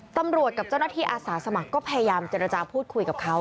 ตำรวจกับเจ้าหน้าที่อาสาสมัครก็พยายามเจรจาพูดคุยกับเขา